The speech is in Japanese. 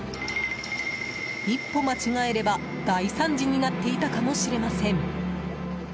一歩間違えれば、大惨事になっていたかもしれません。